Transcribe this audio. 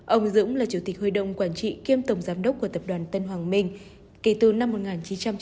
ông dũng là chủ tịch hội đồng quản trị kiêm tổng giám đốc của tập đoàn tân hoàng minh kể từ năm một nghìn chín trăm chín mươi ba đến nay